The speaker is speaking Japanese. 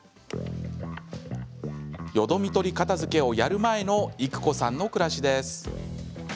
よどみ取り片づけをやる前の育子さんの暮らしです。